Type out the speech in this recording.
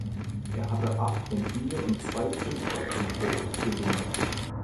Er hatte acht Ventile und zwei Zündkerzen pro „Zylinder“.